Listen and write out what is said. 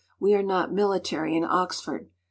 We are not military in Oxford.